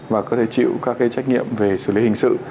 và có thể chịu các cái trách nhiệm về xử lý hình sự